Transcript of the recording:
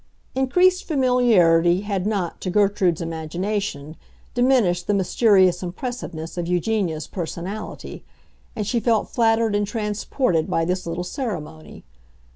Increased familiarity had not, to Gertrude's imagination, diminished the mysterious impressiveness of Eugenia's personality, and she felt flattered and transported by this little ceremony.